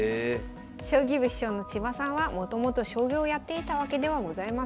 将棋部主将の千葉さんはもともと将棋をやっていたわけではございません。